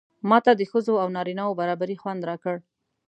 ماته د ښځو او نارینه و برابري خوند راکړ.